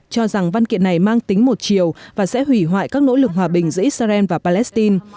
cho rằng văn kiện này mang tính một chiều và sẽ hủy hoại các nỗ lực hòa bình giữa israel và palestine